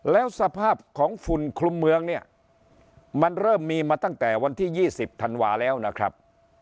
แล้วสภาพของฝุ่นคลุมเมืองเนี่ยมันเริ่มมีมาตั้งแต่วันที่๒๐ธันวาแล้วนะครับ